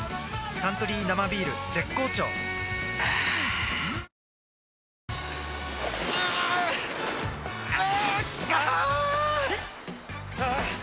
「サントリー生ビール」絶好調はぁあれ？